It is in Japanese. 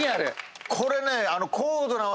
これね。